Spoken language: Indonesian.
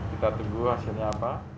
kita tunggu hasilnya apa